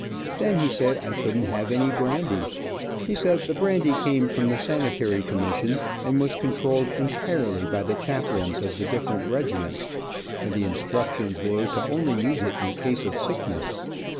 Then he said I couldn't have any brandy. He said the brandy came from the sanitary commsssion, and was controlled entirely by the chaplains of the different regiments, and the instructions were to only use it in case of sickness.